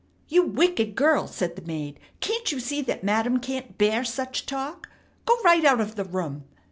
"You wicked girl!" said the maid. "Can't you see that Madam can't bear such talk? Go right out of the room!"